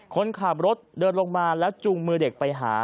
คนขับรถเดินลงมาแล้วจูงมือเด็กไปหา